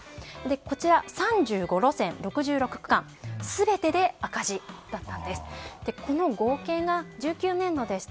こちら、３５路線６６区間の全てで赤字だったんです。